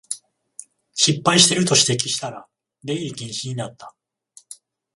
失敗してると指摘したら出入り禁止になった